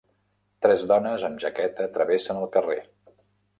Tres dones amb jaqueta travessen el carrer.